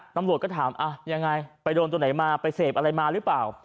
ตำรวจก็ถามยังไงไปโดนตัวไหนมาไปเสพอะไรมาหรือเปล่า